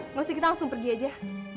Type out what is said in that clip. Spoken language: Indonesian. nggak usah kita langsung pergi aja